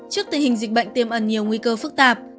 trước tình hình dịch bệnh tiêm ẩn nhiều nguy cơ phức tạp